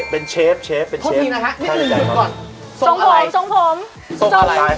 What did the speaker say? เป็นกองการ